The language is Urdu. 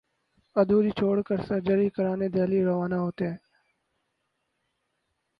ادھوری چھوڑ کر سرجری کرانے دہلی روانہ ہوئے ہیں